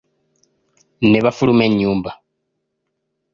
Nebafuluma ennyumba.